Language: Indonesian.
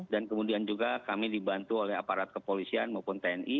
dan kemudian juga kami dibantu oleh aparat kepolisian maupun tni